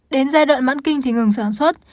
đến giai đoạn mãn kinh thì ngừng sản xuất